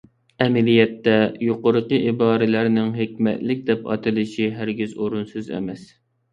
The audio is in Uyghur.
ئەمەلىيەتتە، يۇقىرىقى ئىبارىلەرنىڭ ھېكمەتلىك دەپ ئاتىلىشى ھەرگىز ئورۇنسىز ئەمەس.